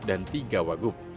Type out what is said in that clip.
dan tiga wagup